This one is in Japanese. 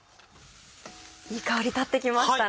いい香り立ってきましたね。